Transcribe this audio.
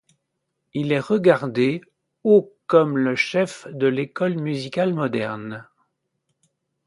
Il est regardé au comme le chef de l'école musicale moderne.